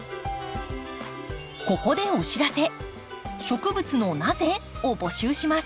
ここでお知らせ。